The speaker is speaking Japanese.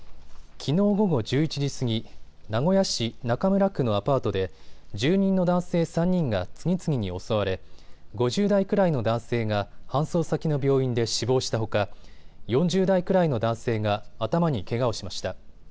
きのう午後１１時過ぎ、名古屋市中村区のアパートで住人の男性３人が次々に襲われ５０代くらいの男性が搬送先の病院で死亡したほか４０代くらいの男性が頭にけがをしました。